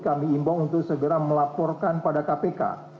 kami imbau untuk segera melaporkan pada kpk